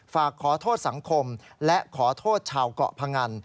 ฝากขอโทษสังคมและขอโทษชาวเกาะพงัน